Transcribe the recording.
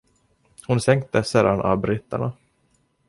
Hon sänktes sedan av britterna.